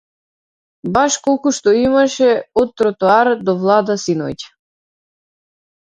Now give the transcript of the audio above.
Баш колку што имаше од тротоар до влада синоќа.